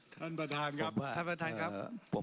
ท่านบันทานครับ